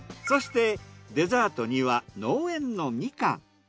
そしてデザートには農園のみかん。